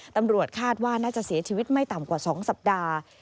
ตำรวจคาดว่าน่าจะเสียชีวิตไม่ต่ำกว่า๒สัปดาห์